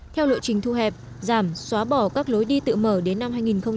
theo lộ trình thu hẹp giảm xóa bỏ các lối đi tự mở đến năm hai nghìn ba mươi